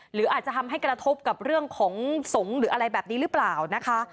หรืออาจจะทำให้กระทบกับเรื่องของสงฆ์หรืออะไรแบบนี้หรือเปล่านะคะ